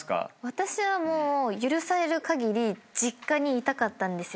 私はもう許されるかぎり実家にいたかったんですよ。